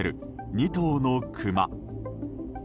２頭のクマ。